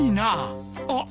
あっ！